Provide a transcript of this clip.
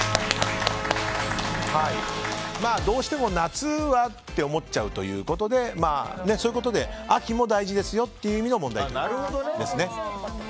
どうしても夏はって思っちゃうということでそういうことで秋も大事ですよという意味での問題ということですね。